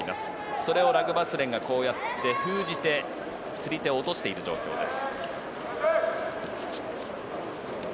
袖をラグバスレンがこうやって封じて釣り手を落としている状況です。